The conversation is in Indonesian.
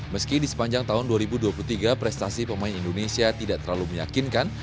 meski di sepanjang tahun dua ribu dua puluh tiga prestasi pemain indonesia tidak terlalu meyakinkan